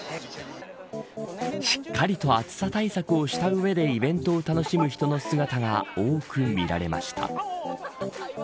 しっかりと暑さ対策をした上でイベントを楽しむ人の姿が多く見られました。